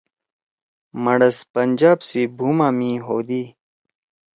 مڑَس پنجاب سی بُھوما می ہودی۔